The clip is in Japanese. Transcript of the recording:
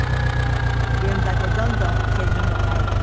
現場でどんどんせりふも変える。